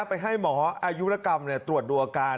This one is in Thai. ไปให้หมออายุรกรรมตรวจดูอาการ